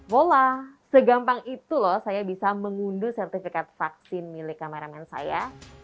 bola segampang itu loh saya bisa mengunduh sertifikat vaksin milik kameramen saya